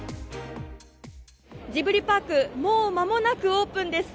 ジブリパークもうまもなくオープンです。